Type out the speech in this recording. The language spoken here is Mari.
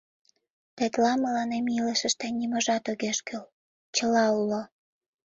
Тетла мыланем илышыште ниможат огеш кӱл — чыла уло.